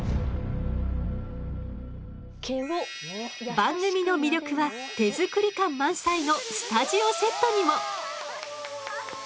番組の魅力は手作り感満載のスタジオセットにも。